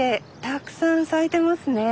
たくさん咲いてますね。